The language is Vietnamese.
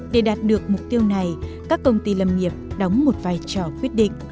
để đạt được mục tiêu này các công ty lâm nghiệp đóng một vai trò quyết định